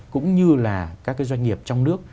cũng như là các cái doanh nghiệp trong nước